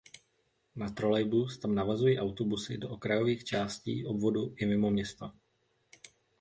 Na trolejbus tam navazují autobusy do okrajových částí obvodu i mimo město.